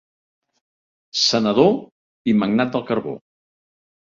Senador i magnat del carbó.